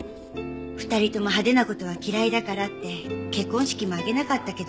２人とも派手な事は嫌いだからって結婚式も挙げなかったけど。